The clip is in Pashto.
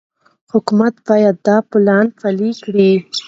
حکومت باید دا پلان پلي کړي.